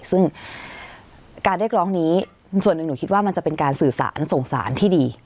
ซึ่งการเรียกร้องนี้ส่วนหนึ่งหนูคิดว่ามันจะเป็นการสื่อสารส่งสารที่ดี